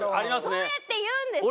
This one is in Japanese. そうやって言うんですけど。